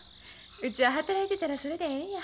うちは働いてたらそれでええんや。